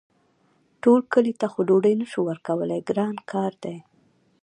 ټول کلي ته خو ډوډۍ نه شو ورکولی ګران کار دی.